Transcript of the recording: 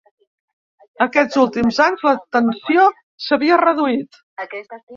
Aquests últims anys la tensió s’havia reduït.